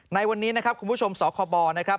ในวันนี้นะครับคุณผู้ชมสคบนะครับ